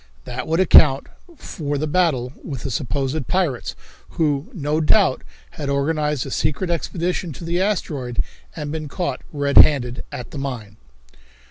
That would account for the battle with the supposed pirates, who, no doubt, had organized a secret expedition to the asteroid and been caught red handed at the mine.